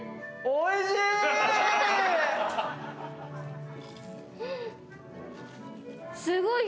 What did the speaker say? おいしい！